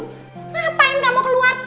ngapain kamu keluar